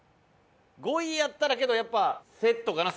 ５位やったらけどやっぱセットかな？